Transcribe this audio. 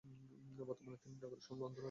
বর্তমানে তিনি নাগরিক আন্দোলনের সাথে যুক্ত আছেন।